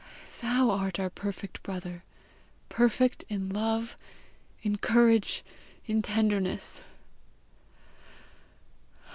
Thou art our perfect brother perfect in love, in courage, in tenderness!